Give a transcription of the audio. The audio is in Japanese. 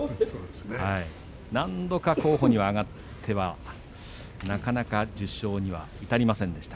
何度か候補に挙がってはなかなか受賞には至りませんでした。